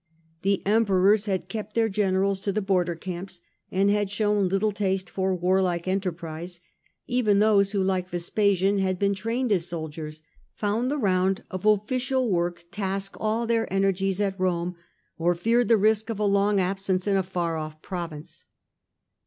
The Emperors had kept their generals to the border camps, and had shown little taste for warlike enterprise; even those who, like Vespasian, had been trained as soldiers, found the round of official work task all their energies at Rome, or feared the risk of a long absence in a far off province.